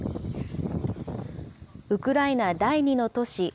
ウクライナ第２の都市